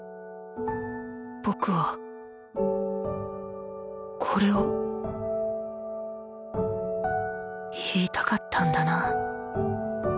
僕はこれを言いたかったんだな